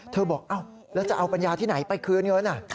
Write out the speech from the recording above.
บอกแล้วจะเอาปัญญาที่ไหนไปคืนเงิน